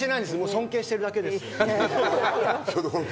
尊敬してるだけです。